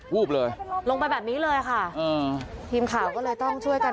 วูบเลยลงไปแบบนี้เลยค่ะอืมทีมข่าวก็เลยต้องช่วยกัน